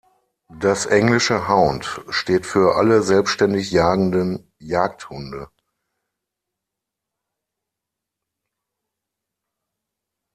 Das englische „Hound“, steht für alle selbständig jagenden Jagdhunde.